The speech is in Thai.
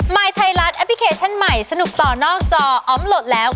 ยไทยรัฐแอปพลิเคชันใหม่สนุกต่อนอกจออมโหลดแล้ว